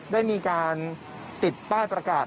ได้มีการติดป้ายประกาศ